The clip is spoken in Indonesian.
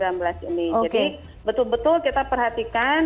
jadi betul betul kita perhatikan